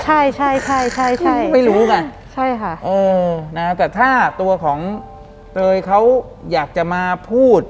หลังจากนั้นเราไม่ได้คุยกันนะคะเดินเข้าบ้านอืม